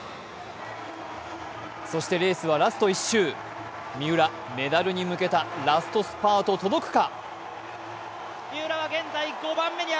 そしてレースはラスト１周三浦、メダルに向けたラストスパート届くか？